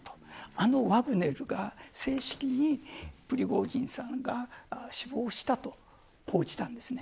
あのワグネルが正式にプリゴジンさんが死亡したと報じたんですね。